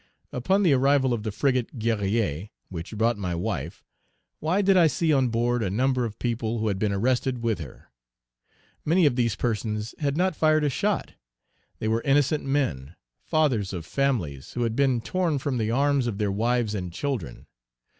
Upon the arrival of the frigate Guerrière, which brought my wife, why Page 327 did I see on board a number of people who had been arrested with her? Many of these persons had not fired a shot. They were innocent men, fathers of families, who had been torn from the arms of their wives and children.